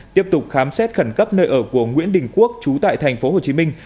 tiếp tục khám xét khẩn cấp nơi ở của nguyễn đình quốc chú tại thành phố hồ chí minh